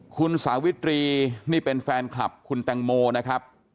คุณสาวิตรีนี่เป็นแฟนคลับคุณแตงโมนะครับ